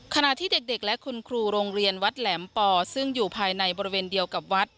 ขณะที่เด็กและคุณครูโรงเรียนวัดแหลมปอซึ่งอยู่ภายในบริเวณเดียวกับวัด